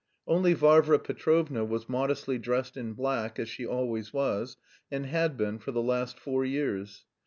Only Varvara Petrovna was modestly dressed in black as she always was, and had been for the last four years.